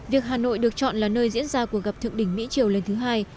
việc hà nội được chọn là nơi diễn ra cuộc gặp thượng đỉnh mỹ triều lần thứ hai